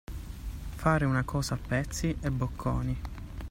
Fare una cosa a pezzi e bocconi.